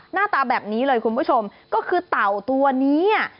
หน้าตาแบบนี้เลยคุณผู้ชมก็คือเต่าตัวนี้